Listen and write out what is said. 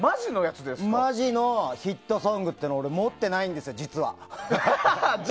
マジのヒットソングというのを俺、持ってないんですよ実は。